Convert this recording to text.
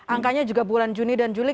angkanya juga bulan juni dan juli